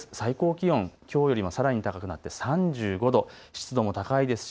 最高気温、きょうよりさらに高くなって３５度、湿度も高いですし